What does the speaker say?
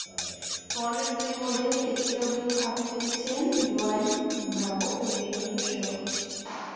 পরের দুই বলে এলবিডব্লুর ফাঁদে ফেলেছেন ডোয়াইন ব্রাভো ও বীরেন্দর শেবাগকে।